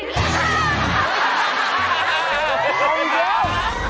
ผมเยอะ